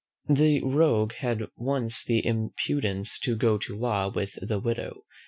The rogue had once the impudence to go to law with the Widow.